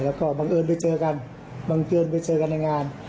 แล้วก็บังเอิญไปเจอกันบังเอิญไปเจอกันในงาน